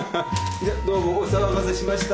どうもお騒がせしました。